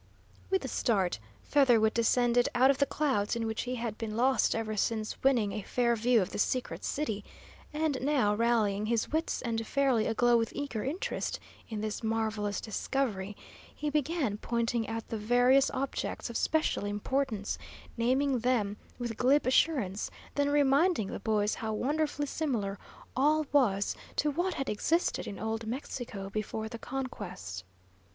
With a start, Featherwit descended out of the clouds in which he had been lost ever since winning a fair view of the secret city; and now, rallying his wits and fairly aglow with eager interest in this marvellous discovery, he began pointing out the various objects of special importance, naming them with glib assurance, then reminding the boys how wonderfully similar all was to what had existed in Old Mexico before the conquest.